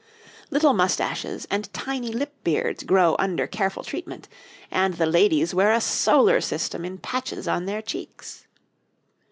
Little moustaches and tiny lip beards grow under careful treatment, and the ladies wear a solar system in patches on their cheeks.